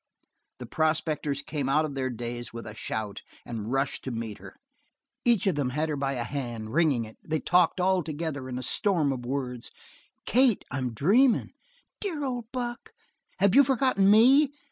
The prospectors came out of their daze with a shout and rushed to meet her. Each of them had her by a hand, wringing it; they talked all together in a storm of words. "Kate, I'm dreamin'! Dear old Buck! Have you forgotten me?